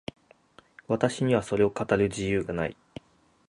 私にはそれを語る自由がない。